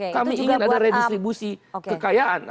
kami ingin ada redistribusi kekayaan